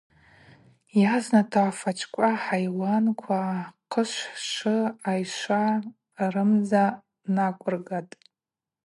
Йазната афачӏвква, ахӏайуанква, хъышв, швы, айшва, рымдза наквыргатӏ.